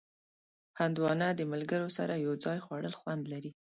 هندوانه د ملګرو سره یو ځای خوړل خوند لري.